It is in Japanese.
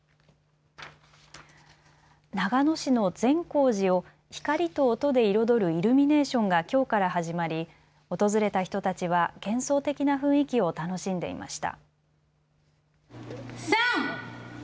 長野市の善光寺を光と音で彩るイルミネーションがきょうから始まり訪れた人たちは幻想的な雰囲気を楽しんでいました。